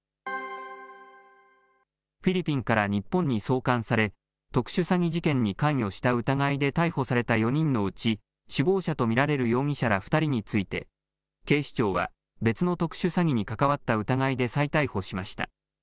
フィリピンから日本に送還され、特殊詐欺事件に関与した疑いで逮捕された４人のうち、首謀者と見られる容疑者ら２人について、警視庁は別の特殊詐欺に関わった疑いで再逮捕しました。